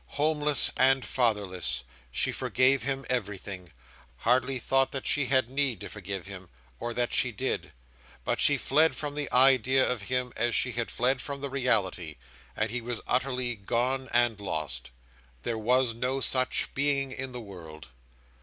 Homeless and fatherless, she forgave him everything; hardly thought that she had need to forgive him, or that she did; but she fled from the idea of him as she had fled from the reality, and he was utterly gone and lost. There was no such Being in the world.